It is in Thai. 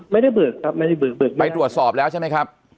ไม่ได้เบิกครับไม่ได้เบิกบึกไปตรวจสอบแล้วใช่ไหมครับ